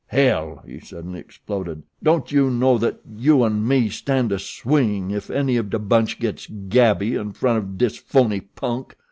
Hell!" he suddenly exploded. "Don't you know that you an' me stand to swing if any of de bunch gets gabby in front of dis phoney punk?"